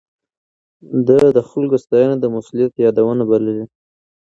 ده د خلکو ستاينه د مسؤليت يادونه بلله.